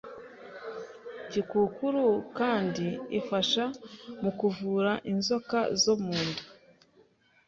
Gikukuru kandi ifasha mu kuvura inzoka zo mu nda,